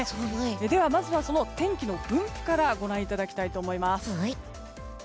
では、まずは天気の分布からご覧いただきたいと思います。